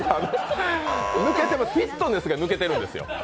フィットネスが抜けてるんですよ。